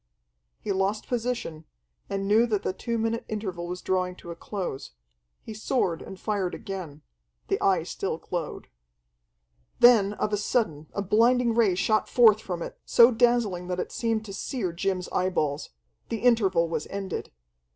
He lost position, and knew that the two minute interval was drawing to a close. He soared and fired again. The Eye still glowed. Then of a sudden a blinding ray shot forth from it, so dazzling that it seemed to sear Jim's eyeballs. The interval was ended.